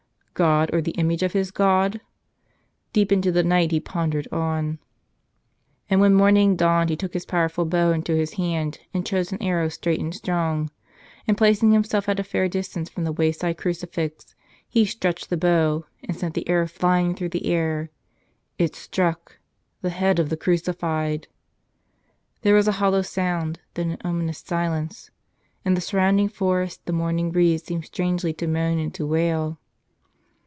God, or the image of his God? Deep into the night he pondered on. And when morning dawned he took his powerful bow into his hand and chose an arrow straight and strong. And placing himself at a fair distance from the wayside crucifix, he stretched the bow — and sent the arrow flying through the air. It struck — the head of the Crucified! There was a hollow sound, then an ominous silence. In the surrounding forest the morning breeze seemed strangely to moan and to wail.